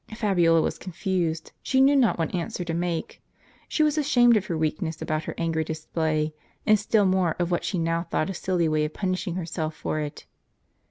Fabiola was confused. She knew not what answer to make : she was ashamed of her weakness about her angry display ; and still more of what she now thought a silly way of punishing herself for it.